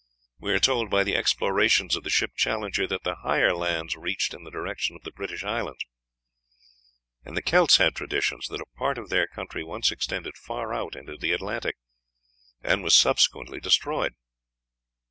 We are told by the explorations of the ship Challenger that the higher lands reach in the direction of the British Islands; and the Celts had traditions that a part of their country once extended far out into the Atlantic, and was subsequently destroyed.